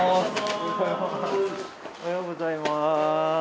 おはようございます。